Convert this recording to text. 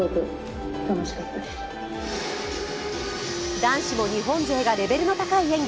男子も日本勢がレベルの高い演技。